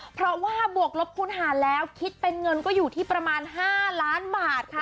เพราะว่าบวกลบคูณหารแล้วคิดเป็นเงินก็อยู่ที่ประมาณ๕ล้านบาทค่ะ